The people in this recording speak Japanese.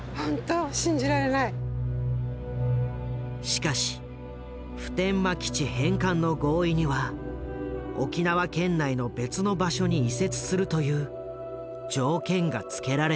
しかし普天間基地返還の合意には沖縄県内の別の場所に移設するという条件が付けられていた。